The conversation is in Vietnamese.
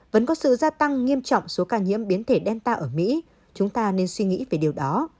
vẫn có sự gia tăng nghiêm trọng số ca nhiễm biến thể đen ta ở mỹ chúng ta nên suy nghĩ về điều đó